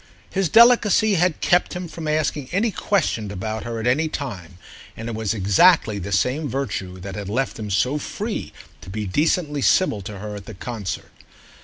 His delicacy had kept him from asking any question about her at any time, and it was exactly the same virtue that had left him so free to be decently civil to her at the concert.